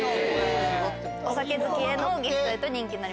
お酒好きへのギフトで人気に。